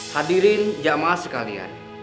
hadirin jamaah sekalian